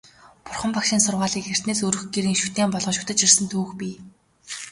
Бурхан Багшийн сургаалыг эртнээс өрх гэрийн шүтээн болгож шүтэж ирсэн түүх бий.